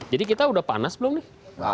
jadi kita udah panas belum nih